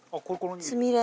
つみれ。